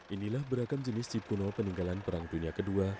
inilah beragam jenis cip kuno peninggalan perang dunia ii